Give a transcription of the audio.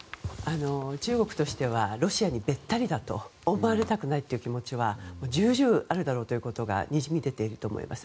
中国としてはロシアにべったりだと思われたくないという気持ちは重々あるだろうということがにじみ出ていると思います。